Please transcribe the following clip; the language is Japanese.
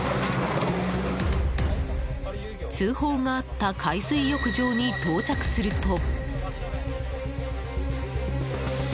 通報があった海水浴場に到着すると。